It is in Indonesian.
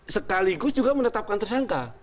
sekaligus juga menetapkan tersangka